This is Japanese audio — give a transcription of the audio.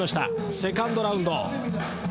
セカンドラウンド。